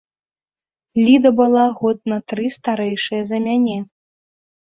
Ліда была год на тры старэйшая за мяне.